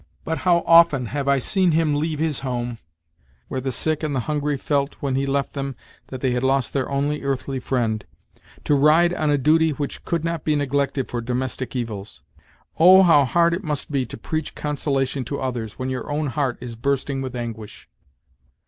But how often have I seen him leave his home, where the sick and the hungry felt, when he left them, that they had lost their only earthly friend, to ride on a duty which could not be neglected for domes tic evils! Oh! how hard it must be to preach consolation to others when your own heart is bursting with anguish!"